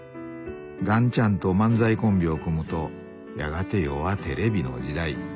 雁ちゃんと漫才コンビを組むとやがて世はテレビの時代。